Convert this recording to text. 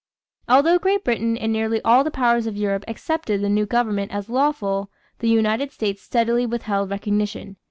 Although Great Britain and nearly all the powers of Europe accepted the new government as lawful, the United States steadily withheld recognition.